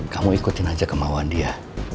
kamu ikutin aja kemauan dia